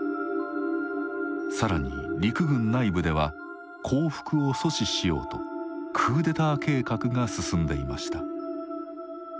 更に陸軍内部では降伏を阻止しようとクーデター計画が進んでいました。